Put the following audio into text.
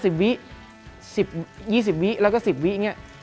๒๐เมตรแล้วก็๑๐เมตร